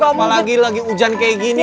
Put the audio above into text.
apalagi lagi hujan kayak gini